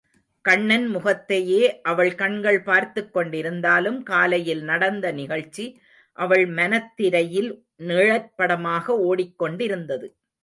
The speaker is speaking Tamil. கண்ணன் முகத்தையே அவள் கண்கள் பார்த்துக் கொண்டிருந்தாலும், காலையில் நடந்த நிகழ்ச்சி அவள் மனத்திரையில் நிழற்படமாக ஓடிக் கொண்டிருந்தது.